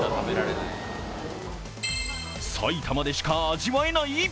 埼玉でしか味わえない？